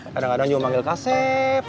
kadang kadang juga panggil kasep